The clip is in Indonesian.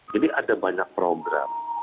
jadi ada banyak program